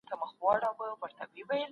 پلان جوړونه بايد دقيقه وي.